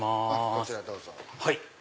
こちらへどうぞ。